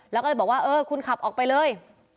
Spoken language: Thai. แล้วก็เลยบอกว่าเออคุณขับออกไปเลย